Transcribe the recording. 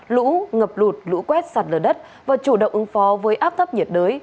lũ ngập lụt lũ quét sạt lở đất và chủ động ứng phó với áp thấp nhiệt đới